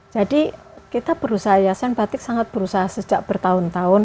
jadi kita perusahaan batik sangat berusaha sejak bertahun tahun